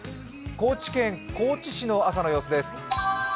高知県高知市の朝の様子です。